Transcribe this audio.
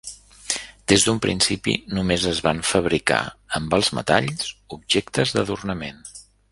Des d'un principi, només es van fabricar, amb els metalls, objectes d'adornament.